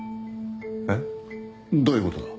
えっ？どういうことだ？